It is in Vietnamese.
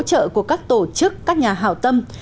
với sự hỗ trợ của các tổ chức các nhà hào tâm